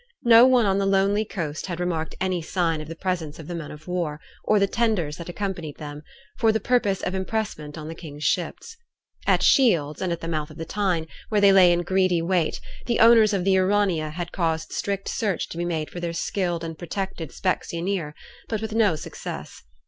No one on the lonely coast had remarked any sign of the presence of the men of war, or the tenders that accompanied them, for the purpose of impressment on the king's ships. At Shields, and at the mouth of the Tyne, where they lay in greedy wait, the owners of the Urania had caused strict search to be made for their skilled and protected specksioneer, but with no success.